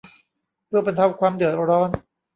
เพื่อบรรเทาความเดือดร้อน